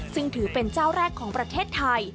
ซึ่งถือเป็นเจ้าแรกของประเทศไทย